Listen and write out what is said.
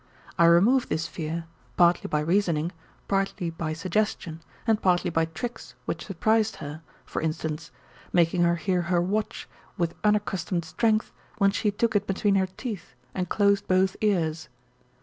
I removed this fear, partly by reasoning, partly by suggestion, and partly by tricks which surprised her, for instance, making her hear her watch with unaccustomed strength when she took it between her teeth and closed both ears.